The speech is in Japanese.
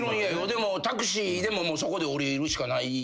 でもタクシーでもそこで降りるしかない。